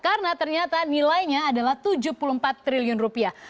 karena ternyata nilainya adalah tujuh puluh empat triliun rupiah